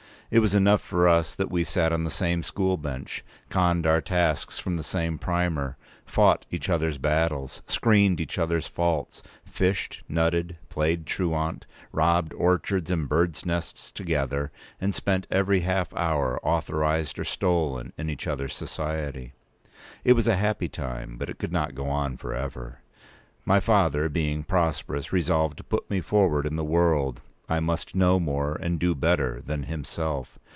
It was enough for us that we sat on the same school bench, conned our tasks from the same primer, fought each other's battles, screened each other's faults, fished, nutted, played truant, robbed orchards and birds' nests together, and spent every half hour, authorised or stolen, in each other's society. It was a happy time; but it could not go on for ever. My father, being prosperous, resolved to put me forward in the world. I must know more, and do better, than himself.